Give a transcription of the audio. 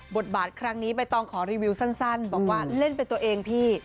บทบาทครั้งนี้ใบตองขอรีวิวสั้นบอกว่าเล่นเป็นตัวเองพี่